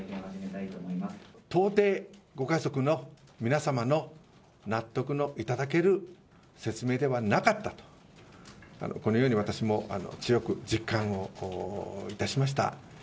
到底、ご家族の皆様の納得のいただける説明ではなかったと、このように私も強く実感をいたしました。